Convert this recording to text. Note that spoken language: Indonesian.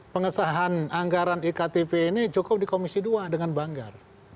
pengesahan anggaran iktp ini cukup di komisi dua dengan banggar